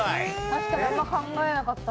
確かにあんま考えなかった。